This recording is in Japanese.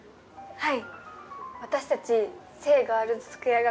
はい。